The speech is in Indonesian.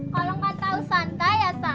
kalau nggak tahu santai ya